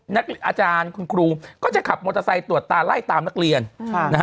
อาจารย์คุณครูก็จะขับมอเตอร์ไซค์ตรวจตาไล่ตามนักเรียนนะฮะ